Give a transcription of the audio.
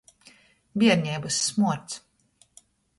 Bierneibys smuords.